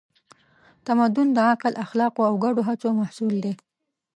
تمدن د عقل، اخلاقو او ګډو هڅو محصول دی.